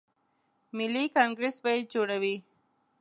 ملي کانګریس به یې جوړوي.